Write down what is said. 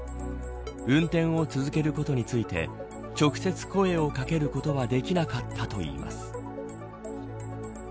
運転を続けることについて直接、声を掛けることはできなかったといいます。